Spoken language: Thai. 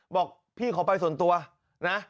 บอกพี่ขอไปส่วนตัวนะ